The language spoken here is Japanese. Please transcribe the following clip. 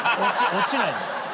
落ちない。